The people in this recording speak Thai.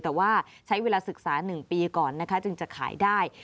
แต่ว่าใช้เวลาศึกษา๑ปีก่อนนะคะจึงจะขายได้